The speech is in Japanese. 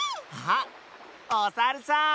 あっおさるさん！